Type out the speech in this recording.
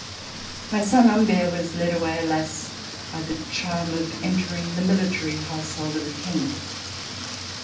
My son Humbert was led away, alas, by the charm of entering the military household of the King.